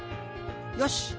よし。